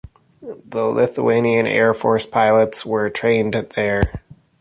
The Lithuanian Air Force pilots were trained there.